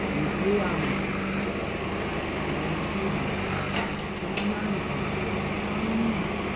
"Ivri Onochi," said Bar Shalmon, "I am a Hebrew." "So am I," said the boy. "Follow me."